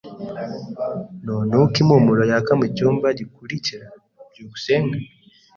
Ntunuka impumuro yaka mucyumba gikurikira? byukusenge